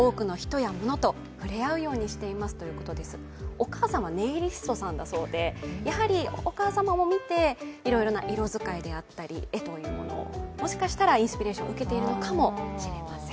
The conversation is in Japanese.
お母様はネイリストだそうで、お母様を見て、いろいろな色使いであったり、絵というものを、もしかしたらインスピレーションを受けているのかもしれません。